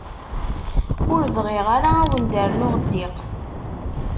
Ur bɣiɣ ara ad wen-d-rnuɣ ddiq.